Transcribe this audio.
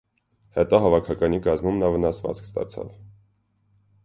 Հետո հավաքականի կազմում նա վնասվածք ստացավ։